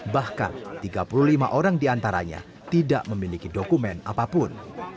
bahkan tiga puluh lima orang diantaranya tidak memiliki dokumen apapun